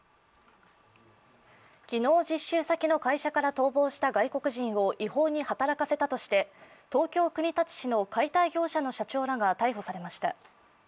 技能実習先の会社から逃亡した外国人を違法に働かせたとして東京・国立市の解体業者の社長らが逮捕されました。